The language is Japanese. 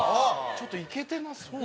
ちょっとイケてますよね。